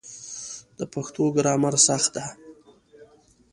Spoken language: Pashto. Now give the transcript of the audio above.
د پښتو ګرامر سخت ده